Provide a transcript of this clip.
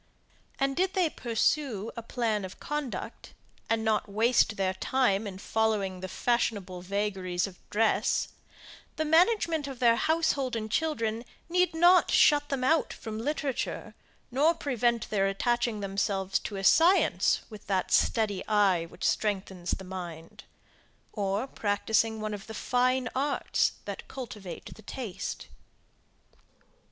And did they pursue a plan of conduct, and not waste their time in following the fashionable vagaries of dress, the management of their household and children need not shut them out from literature, nor prevent their attaching themselves to a science, with that steady eye which strengthens the mind, or practising one of the fine arts that cultivate the taste.